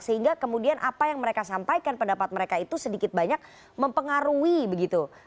sehingga kemudian apa yang mereka sampaikan pendapat mereka itu sedikit banyak mempengaruhi begitu